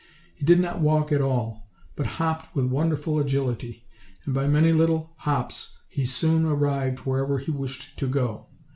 He did not walk at all, but hopped with wonderful agility; and, by many little hops, he soon arrived wherever he wished to go.